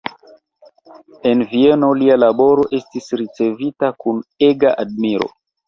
En Vieno lia laboro estis ricevita kun ega admiro.